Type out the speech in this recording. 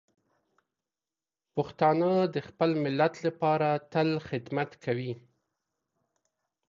پښتانه د خپل ملت لپاره تل خدمت کوي.